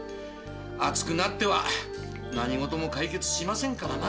熱くなっては何事も解決しませんからな。